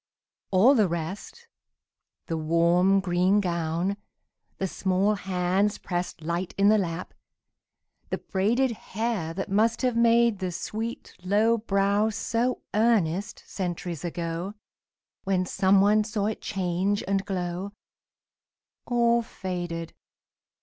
All the rest The warm green gown, the small hands pressed Light in the lap, the braided hair That must have made the sweet low brow So earnest, centuries ago, When some one saw it change and glow All faded!